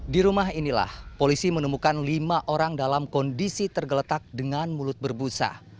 di rumah inilah polisi menemukan lima orang dalam kondisi tergeletak dengan mulut berbusa